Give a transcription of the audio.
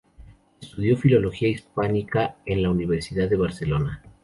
Estudió Filología Hispánica en la Universidad de Barcelona.